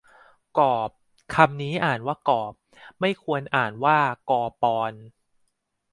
กอปร คำนี้อ่านว่ากอบ ไม่ควรอ่านว่ากอปอน